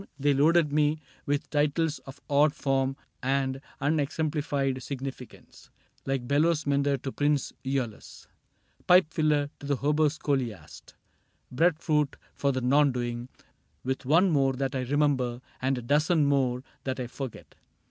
They loaded me with titles of odd form And unexemplified significance. Like " Bellows mender to Prince iEolus," " Pipe filler to the Hoboscholiast," " Bread fruit for the Non Doing," with one more \z CAPTAIN CRAIG That I remember, and a dozen more That I forget.